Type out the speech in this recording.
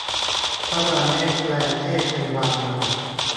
พระราเมศแปลงเพศเป็นรามา